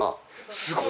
すごい。